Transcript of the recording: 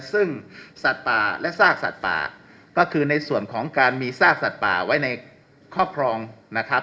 ซึ่งสัตว์ป่าและซากสัตว์ป่าก็คือในส่วนของการมีซากสัตว์ป่าไว้ในครอบครองนะครับ